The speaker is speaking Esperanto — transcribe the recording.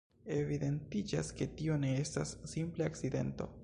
Evidentiĝas, ke tio ne estas simple akcidento.